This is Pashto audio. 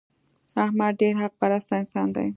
احمد ډېر حق پرسته انسان دی.